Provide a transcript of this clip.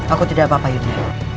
aku tidak apa apa hidupnya